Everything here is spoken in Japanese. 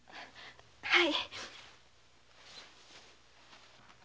はい。